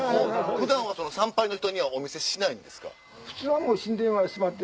普段は参拝の人にはお見せしないんですか？